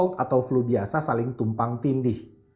out atau flu biasa saling tumpang tindih